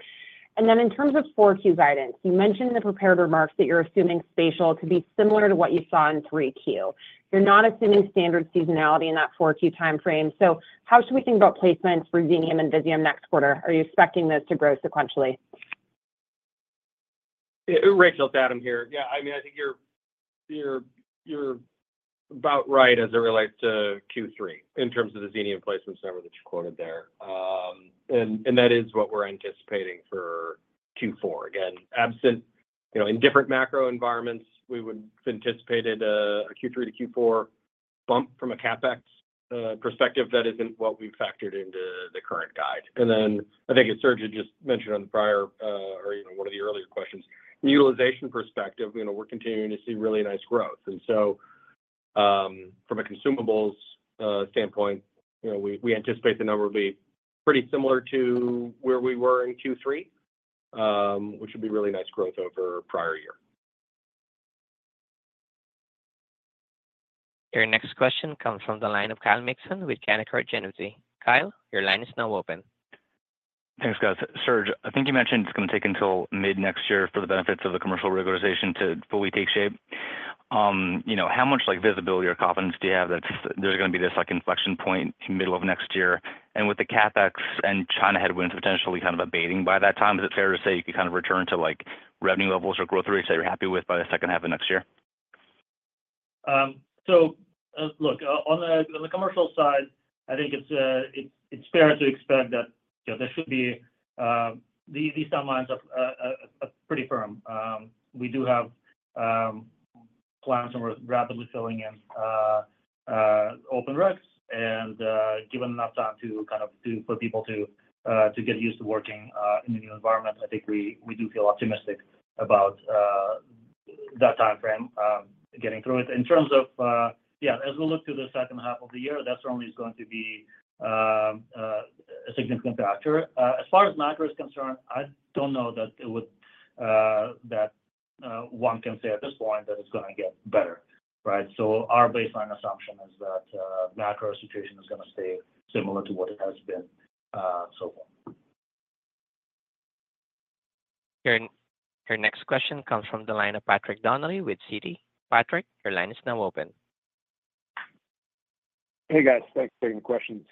And then in terms of 4Q guidance, you mentioned in the prepared remarks that you're assuming spatial to be similar to what you saw in 3Q. You're not assuming standard seasonality in that 4Q time frame. So how should we think about placements for Xenium and Visium next quarter? Are you expecting those to grow sequentially? Rachel, it's Adam here. Yeah. I mean, I think you're about right as it relates to Q3 in terms of the Xenium placements number that you quoted there. And that is what we're anticipating for Q4. Again, absent in different macro environments, we would have anticipated a Q3 to Q4 bump from a CapEx perspective. That isn't what we've factored into the current guide. And then I think, as Serge just mentioned on the prior or one of the earlier questions, from a utilization perspective, we're continuing to see really nice growth. So from a consumables standpoint, we anticipate the number will be pretty similar to where we were in Q3, which would be really nice growth over the prior year. Your next question comes from the line of Kyle Mikson with Canaccord Genuity. Kyle, your line is now open. Thanks, guys. Serge, I think you mentioned it's going to take until mid-next year for the benefits of the commercial regularization to fully take shape. How much visibility or confidence do you have that there's going to be this inflection point in the middle of next year? And with the CapEx and China headwinds potentially kind of abating by that time, is it fair to say you could kind of return to revenue levels or growth rates that you're happy with by the second half of next year? So look, on the commercial side, I think it's fair to expect that there should be these timelines are pretty firm. We do have plans and we're rapidly filling in open reqs. And given enough time for people to get used to working in the new environment, I think we do feel optimistic about that time frame getting through it. In terms of, yeah, as we look to the second half of the year, that certainly is going to be a significant factor. As far as macro is concerned, I don't know that one can say at this point that it's going to get better, right? So our baseline assumption is that macro situation is going to stay similar to what it has been so far. Your next question comes from the line of Patrick Donnelly with Citi. Patrick, your line is now open. Hey, guys. Thanks for taking the questions.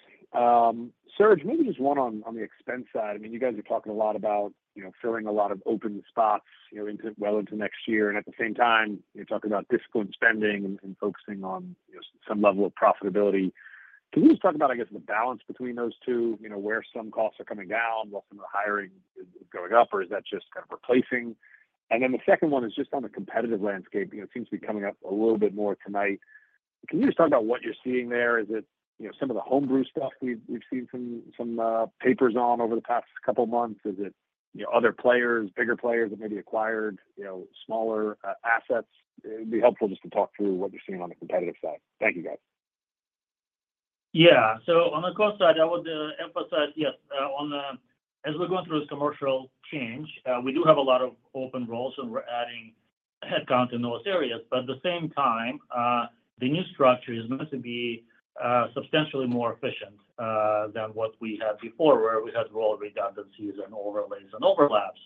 Serge, maybe just one on the expense side. I mean, you guys are talking a lot about filling a lot of open spots well into next year. And at the same time, you're talking about disciplined spending and focusing on some level of profitability. Can you just talk about, I guess, the balance between those two, where some costs are coming down while some of the hiring is going up, or is that just kind of replacing? And then the second one is just on the competitive landscape. It seems to be coming up a little bit more tonight. Can you just talk about what you're seeing there? Is it some of the homebrew stuff we've seen some papers on over the past couple of months? Is it other players, bigger players that maybe acquired smaller assets? It would be helpful just to talk through what you're seeing on the competitive side. Thank you, guys. Yeah, so on the cost side, I would emphasize, yes, as we're going through this commercial change, we do have a lot of open roles, and we're adding headcount in those areas, but at the same time, the new structure is meant to be substantially more efficient than what we had before, where we had role redundancies and overlays and overlaps,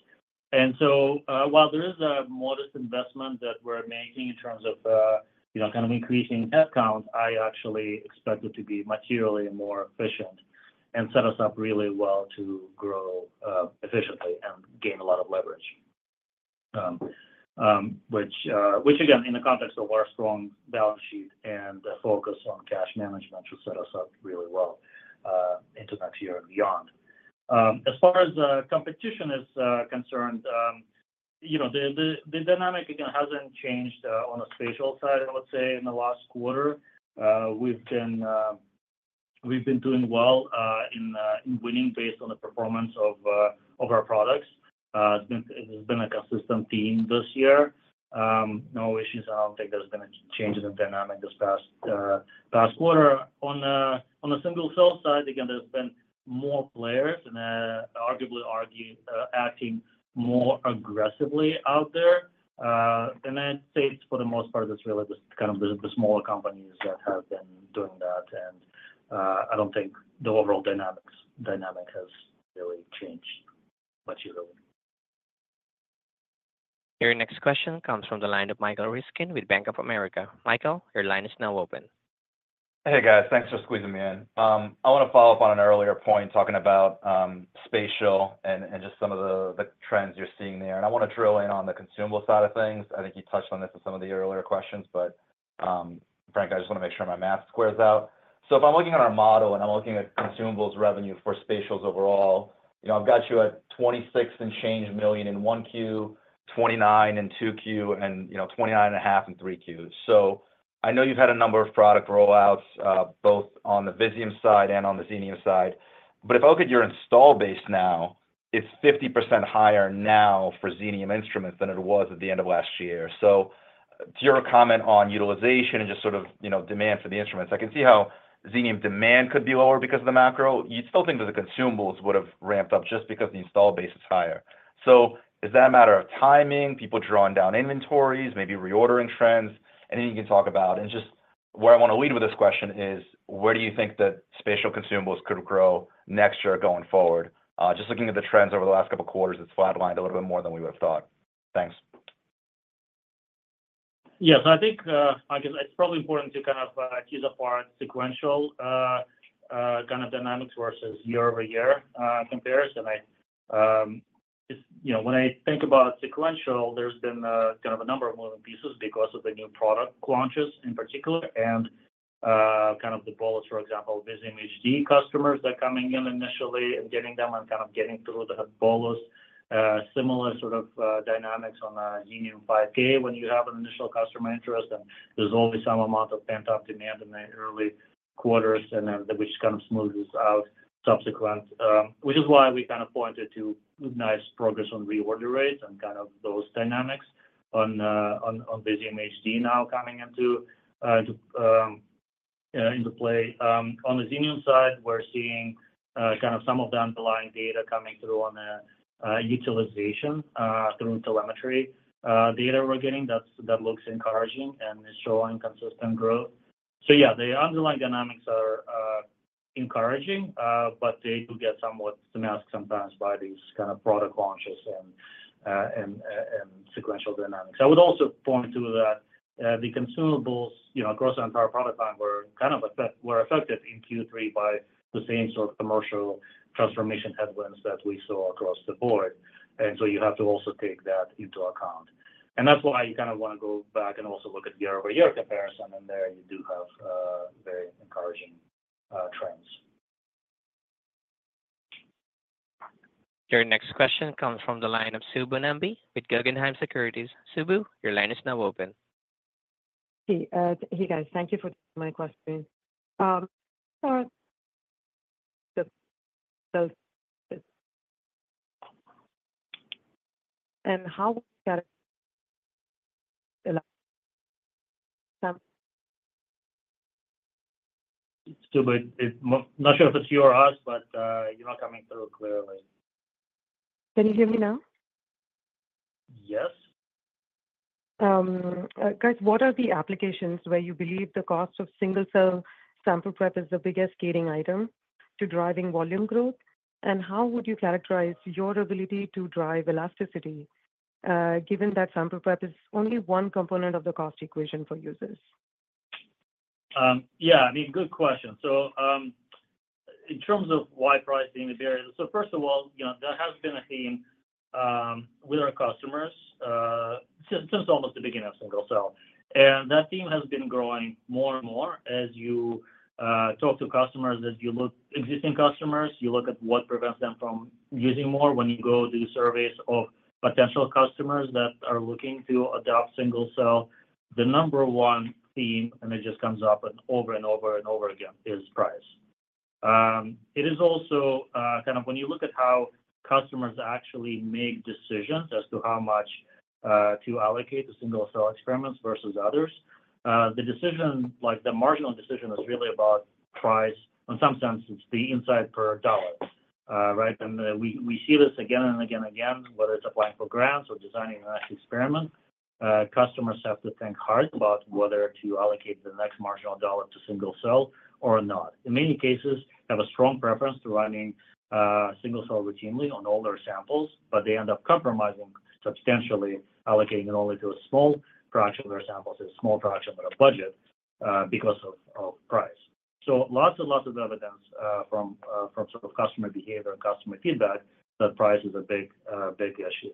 and so while there is a modest investment that we're making in terms of kind of increasing headcount, I actually expect it to be materially more efficient and set us up really well to grow efficiently and gain a lot of leverage, which, again, in the context of our strong balance sheet and focus on cash management, will set us up really well into next year and beyond. As far as competition is concerned, the dynamic, again, hasn't changed on the spatial side, I would say, in the last quarter. We've been doing well in winning based on the performance of our products. It's been a consistent theme this year. No issues. I don't think there's been any changes in dynamic this past quarter. On the single cell side, again, there's been more players and arguably acting more aggressively out there. And I'd say, for the most part, it's really just kind of the smaller companies that have been doing that. And I don't think the overall dynamic has really changed much either. Your next question comes from the line of Michael Ryskin with Bank of America. Michael, your line is now open. Hey, guys. Thanks for squeezing me in. I want to follow up on an earlier point talking about spatial and just some of the trends you're seeing there. And I want to drill in on the consumable side of things. I think you touched on this in some of the earlier questions, but frankly, I just want to make sure my math squares out. So if I'm looking at our model and I'm looking at consumables revenue for spatials overall, I've got you at $26 million and change in 1Q, $29 million in 2Q, and $29.5 million in 3Q. So I know you've had a number of product rollouts both on the Visium side and on the Xenium side. But if I look at your install base now, it's 50% higher now for Xenium instruments than it was at the end of last year. So to your comment on utilization and just sort of demand for the instruments, I can see how Xenium demand could be lower because of the macro. You'd still think that the consumables would have ramped up just because the installed base is higher. So is that a matter of timing, people drawing down inventories, maybe reordering trends? Anything you can talk about? And just where I want to lead with this question is, where do you think that spatial consumables could grow next year going forward? Just looking at the trends over the last couple of quarters, it's flatlined a little bit more than we would have thought. Thanks. Yeah. So I think, I guess, it's probably important to kind of tease apart sequential kind of dynamics versus year-over-year comparisons. When I think about sequential, there's been kind of a number of moving pieces because of the new product launches in particular, and kind of the bolus, for example, Visium HD customers that are coming in initially and getting them and kind of getting through the bolus, similar sort of dynamics on Xenium 5K when you have an initial customer interest, and there's always some amount of pent-up demand in the early quarters, which kind of smooths out subsequents, which is why we kind of pointed to nice progress on reorder rates and kind of those dynamics on Visium HD now coming into play. On the Xenium side, we're seeing kind of some of the underlying data coming through on the utilization through telemetry data we're getting that looks encouraging and is showing consistent growth. So yeah, the underlying dynamics are encouraging, but they do get somewhat masked sometimes by these kind of product launches and sequential dynamics. I would also point to that the consumables across the entire product line were kind of affected in Q3 by the same sort of commercial transformation headwinds that we saw across the board. And so you have to also take that into account. And that's why you kind of want to go back and also look at year-over-year comparison. And there you do have very encouraging trends. Your next question comes from the line of Subbu Nambi with Guggenheim Securities. Subbu, your line is now open. Hey, guys. Thank you for my question. And how— I'm not sure if it's you or us, but you're not coming through clearly. Can you hear me now? Yes. Guys, what are the applications where you believe the cost of single cell sample prep is the biggest gating item to driving volume growth? And how would you characterize your ability to drive elasticity given that sample prep is only one component of the cost equation for users? Yeah. I mean, good question. So in terms of why pricing the barrier, so first of all, there has been a theme with our customers since almost the beginning of single cell. And that theme has been growing more and more as you talk to customers, as you look at existing customers, you look at what prevents them from using more. When you go do surveys of potential customers that are looking to adopt single cell, the number one theme, and it just comes up over and over and over again, is price. It is also kind of when you look at how customers actually make decisions as to how much to allocate to single cell experiments versus others, the marginal decision is really about price. In some sense, it's the insight per dollar, right? and we see this again and again and again, whether it's applying for grants or designing an experiment, customers have to think hard about whether to allocate the next marginal dollar to single cell or not. In many cases, they have a strong preference to running single cell routinely on all their samples, but they end up compromising substantially, allocating it only to a small fraction of their samples, a small fraction of their budget because of price. So lots and lots of evidence from sort of customer behavior and customer feedback that price is a big issue.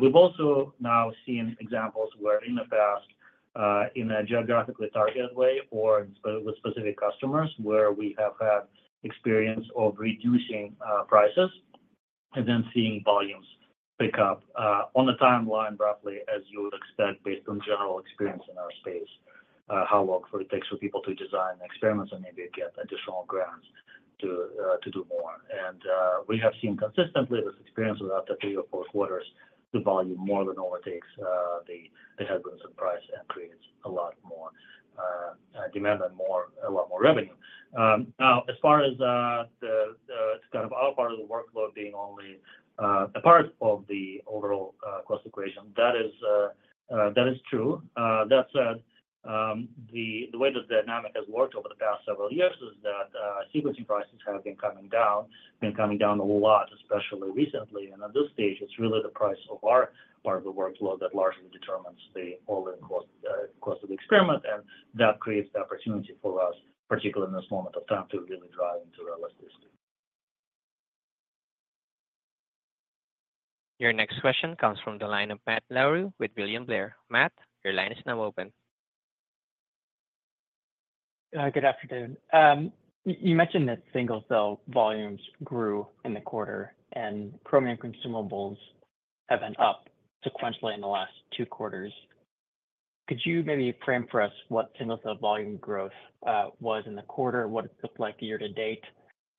We've also now seen examples where in the past, in a geographically targeted way or with specific customers, where we have had experience of reducing prices and then seeing volumes pick up on the timeline roughly as you would expect based on general experience in our space, how long it takes for people to design experiments and maybe get additional grants to do more. And we have seen consistently this experience with up to three or four quarters, the volume more than overtakes the headwinds of price and creates a lot more demand and a lot more revenue. Now, as far as kind of our part of the workload being only a part of the overall cost equation, that is true. That said, the way that the dynamic has worked over the past several years is that sequencing prices have been coming down, been coming down a lot, especially recently. And at this stage, it's really the price of our part of the workload that largely determines the all-in cost of the experiment. And that creates the opportunity for us, particularly in this moment of time, to really drive into elasticity. Your next question comes from the line of Matt Larew with William Blair. Matt, your line is now open. Good afternoon. You mentioned that single cell volumes grew in the quarter, and Chromium consumables have been up sequentially in the last two quarters. Could you maybe frame for us what single cell volume growth was in the quarter, what it looked like year to date,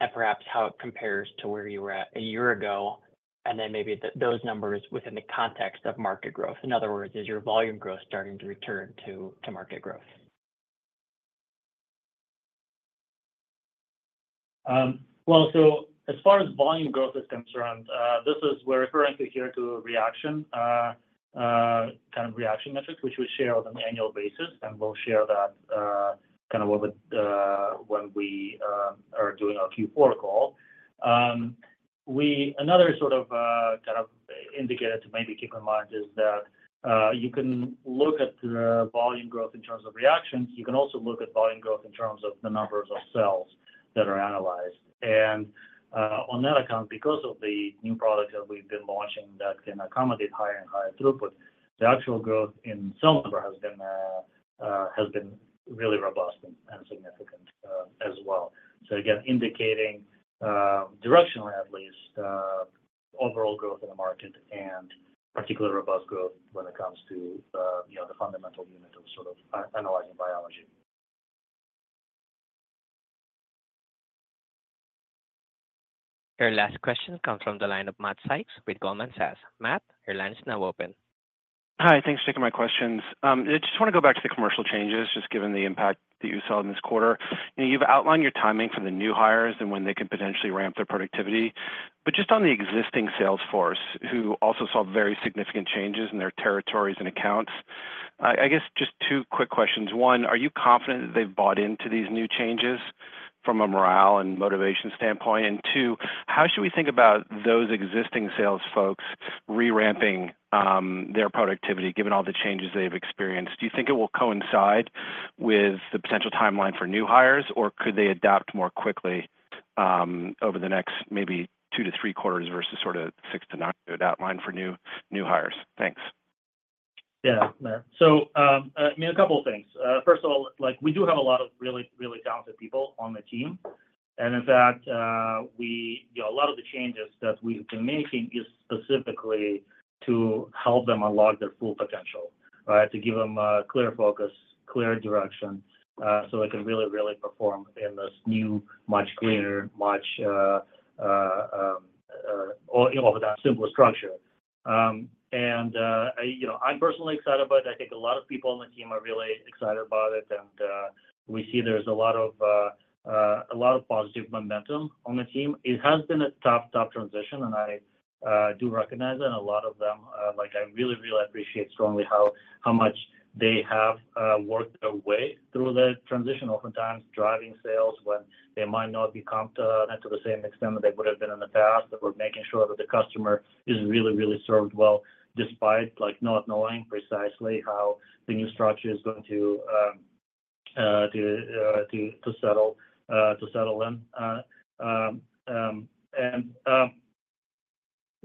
and perhaps how it compares to where you were at a year ago, and then maybe those numbers within the context of market growth? In other words, is your volume growth starting to return to market growth? As far as volume growth is concerned, this is what we're referring to here to kind of reaction metrics, which we share on an annual basis. We'll share that kind of when we are doing our Q4 call. Another sort of kind of indicator to maybe keep in mind is that you can look at volume growth in terms of reactions. You can also look at volume growth in terms of the numbers of cells that are analyzed. On that account, because of the new product that we've been launching that can accommodate higher and higher throughput, the actual growth in cell number has been really robust and significant as well. Again, indicating directionally, at least, overall growth in the market and particularly robust growth when it comes to the fundamental unit of sort of analyzing biology. Your last question comes from the line of Matt Sykes with Goldman Sachs. Matt, your line is now open. Hi. Thanks for taking my questions. I just want to go back to the commercial changes, just given the impact that you saw in this quarter. You've outlined your timing for the new hires and when they can potentially ramp their productivity. But just on the existing salesforce, who also saw very significant changes in their territories and accounts, I guess just two quick questions. One, are you confident that they've bought into these new changes from a morale and motivation standpoint? And two, how should we think about those existing sales folks re-ramping their productivity given all the changes they've experienced? Do you think it will coincide with the potential timeline for new hires, or could they adapt more quickly over the next maybe two to three quarters versus sort of six to nine to adapt line for new hires? Thanks. Yeah. So I mean, a couple of things. First of all, we do have a lot of really, really talented people on the team. And in fact, a lot of the changes that we've been making is specifically to help them unlock their full potential, right, to give them a clear focus, clear direction so they can really, really perform in this new, much cleaner, much over that simpler structure. And I'm personally excited about it. I think a lot of people on the team are really excited about it. And we see there's a lot of positive momentum on the team. It has been a tough, tough transition, and I do recognize it. And a lot of them, I really, really appreciate strongly how much they have worked their way through the transition, oftentimes driving sales when they might not be confident to the same extent that they would have been in the past, or making sure that the customer is really, really served well despite not knowing precisely how the new structure is going to settle in.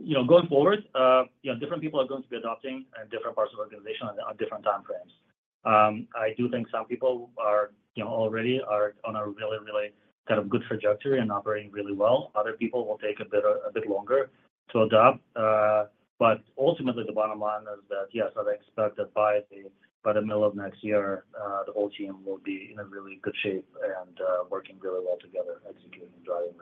And going forward, different people are going to be adopting in different parts of the organization on different time frames. I do think some people already are on a really, really kind of good trajectory and operating really well. Other people will take a bit longer to adopt. But ultimately, the bottom line is that, yes, I'd expect that by the middle of next year, the whole team will be in really good shape and working really well together, executing and driving.